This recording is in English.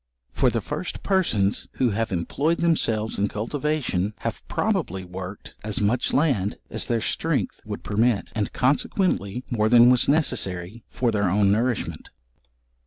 For the first persons who have employed themselves in cultivation, have probably worked as much land as their strength would permit, and, consequently more than was necessary for their own nourishment.